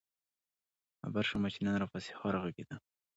خبـــــر شومه چې نن راپســـې ښار غـــــږېده؟